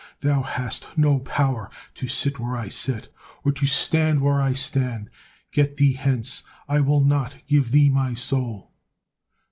Thou hast no power to sit where I sit, or to stand where I stand. Get thee hence, I will not give thee my soul."